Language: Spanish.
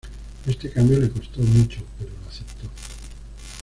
Este cambio le costo mucho, pero lo acepto.